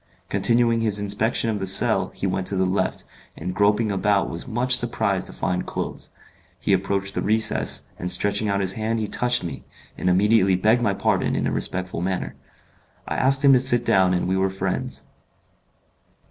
Continuing his inspection of the cell he went to the left, and groping about was much surprised to find clothes. He approached the recess, and stretching out his hand he touched me, and immediately begged my pardon in a respectful manner. I asked him to sit down and we were friends.